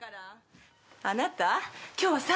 「あなた」